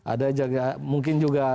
ada mungkin juga